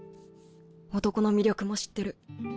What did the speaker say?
男の魅力も知ってる。